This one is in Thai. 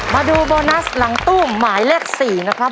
มาดูโบนัสหลังตู้หมายเลข๔นะครับ